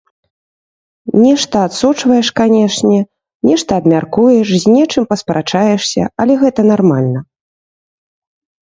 Нешта адсочваеш, канешне, нешта абмяркуеш, з нечым паспрачаешся, але гэта нармальна.